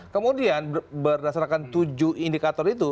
kemudian berdasarkan tujuh indikator itu